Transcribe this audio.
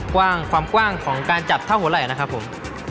ความกว้างของการจับเท่าหัวไหล่นะครับผม